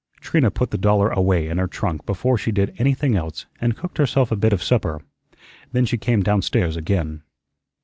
Trina put the dollar away in her trunk before she did anything else and cooked herself a bit of supper. Then she came downstairs again.